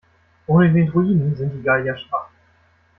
Ohne den Druiden sind die Gallier schwach.